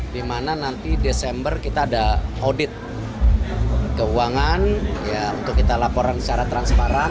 di mana nanti desember kita ada audit keuangan untuk kita laporan secara transparan